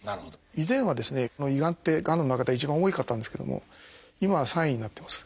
以前はですねこの胃がんってがんの中では一番多かったんですけども今は３位になってます。